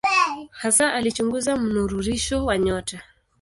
Hasa alichunguza mnururisho wa nyota.